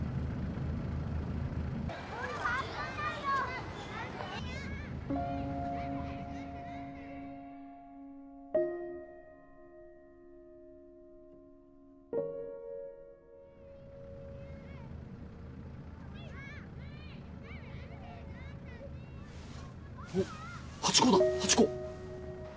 おっハチ公だハチ公！